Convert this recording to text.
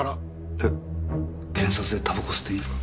え検察でタバコ吸っていいんすか？